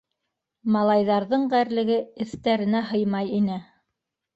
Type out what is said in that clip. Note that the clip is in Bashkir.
Малайҙарҙың ғәрлеге эҫтәренә һыймай ине.